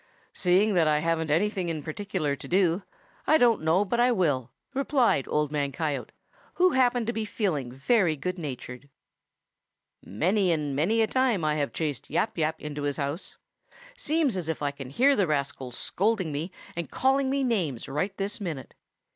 "Seeing that I haven't anything in particular to do, I don't know but I will," replied Old Man Coyote, who happened to be feeling very good natured. "Many and many a time I have chased Yap Yap into his house. Seems as if I can hear the rascal scolding me and calling me names right this minute.